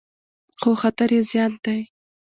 خو خطر یې زیات دی.